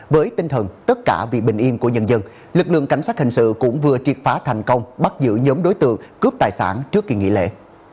với tinh thần tất cả vì bình yên của nhân dân lực lượng cảnh sát hình sự cũng vừa triệt phá thành công bắt giữ nhóm đối tượng cướp tài sản trước kỳ nghỉ lễ